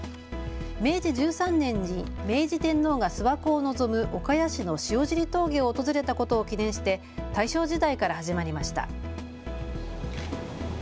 明治１３年に明治天皇が諏訪湖をのぞむ岡谷市の塩尻峠を訪れたことを記念して大正時代から始まりました。